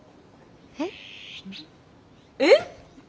えっ？えっ！？